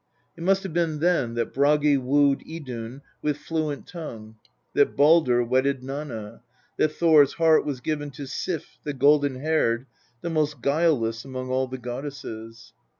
It must have been then that Bragi wooed Idun with fluent tongue, that Baldr wedded Nanna, that Thor's heart was given to Sif the golden haired, the most guileless among all the goddesses.